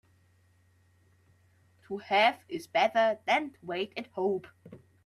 To have is better than to wait and hope.